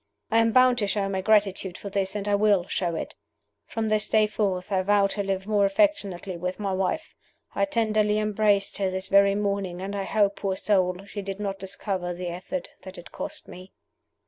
"I am bound to show my gratitude for this and I will show it. From this day forth I vow to live more affectionately with my wife. I tenderly embraced her this very morning, and I hope, poor soul, she did not discover the effort that it cost me."